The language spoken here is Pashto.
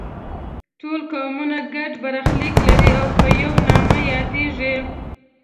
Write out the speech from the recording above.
ټول قومونه ګډ برخلیک لري او په یوه نامه یادیږي.